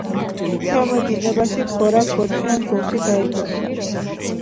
ქვემო დინებაში გორაკ-ბორცვიან ზოლში გაედინება.